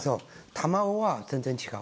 卵は全然違う。